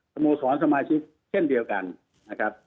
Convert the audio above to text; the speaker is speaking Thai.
โมสรสมาชิกเช่นเดียวกันนะครับ